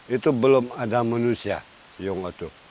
itu belum ada manusia iyung otu